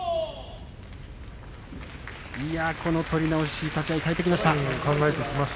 この取り直し立ち合いを変えてきました。